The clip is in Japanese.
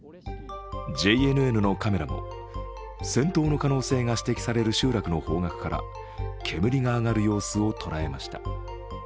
ＪＮＮのカメラも戦闘の可能性が指摘される集落の方角から煙が上がる様子を捉えました。